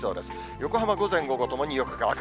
横浜、午前午後ともによく乾く。